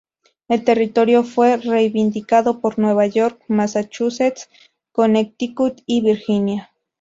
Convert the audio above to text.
El territorio fue reivindicado por Nueva York, Massachusetts, Connecticut y Virginia.